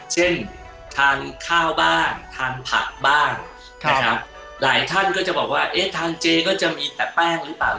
เช่นทานข้าวบ้างทานผักบ้างนะครับหลายท่านก็จะบอกว่าเอ๊ะทานเจก็จะมีแต่แป้งหรือเปล่า